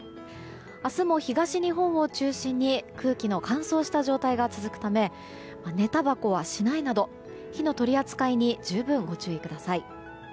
明日も東日本を中心に空気の乾燥した状態が続くため寝たばこはしないなど火の取り扱いに十分ご注意ください。